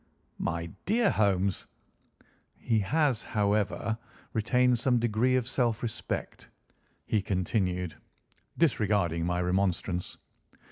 "My dear Holmes!" "He has, however, retained some degree of self respect," he continued, disregarding my remonstrance.